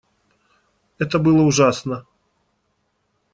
Это было ужасно.